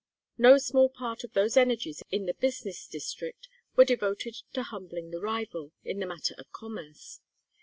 No small part of those energies in the business district were devoted to humbling the rival, in the matter of commerce.